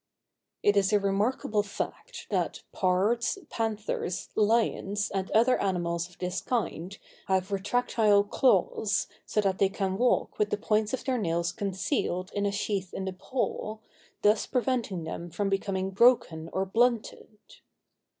It is a remarkable fact, that pards, panthers, lions, and other animals of this kind have retractile claws, so that they can walk with the points of their nails concealed in a sheath in the paw, thus preventing them from becoming broken or blunted.